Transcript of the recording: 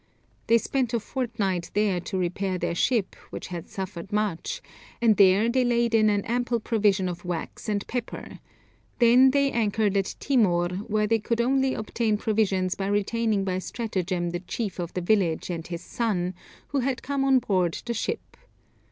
They spent a fortnight there to repair their ship, which had suffered much, and there they laid in an ample provision of wax and pepper; then they anchored at Timor, where they could only obtain provisions by retaining by stratagem the chief of the village and his son, who had come on board the ship.